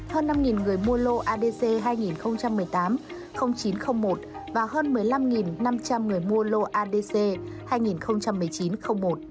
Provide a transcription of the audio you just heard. hơn năm người mua lô adc hai nghìn một mươi tám chín trăm linh một và hơn một mươi năm năm trăm linh người mua lô adc hai nghìn một mươi chín một